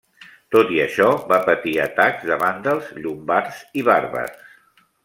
Tot i això, va patir atacs de vàndals, llombards i bàrbars.